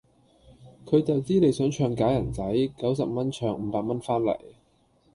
佢就知你想唱假人仔，九十蚊唱五百蚊番嚟